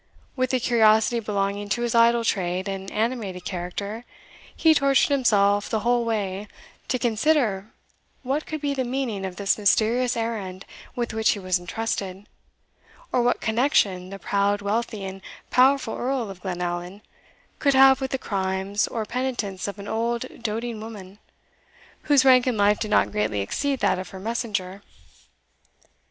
With the curiosity belonging to his idle trade and animated character, he tortured himself the whole way to consider what could be the meaning of this mysterious errand with which he was entrusted, or what connection the proud, wealthy, and powerful Earl of Glenallan could have with the crimes or penitence of an old doting woman, whose rank in life did not greatly exceed that of her messenger.